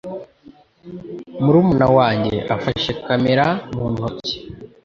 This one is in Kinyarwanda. Murumuna wanjye afashe kamera mu ntoki.